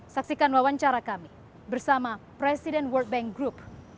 saksikan wawancara kami bersama presiden world bank group